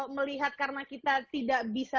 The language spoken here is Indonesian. melihat karena kita tidak bisa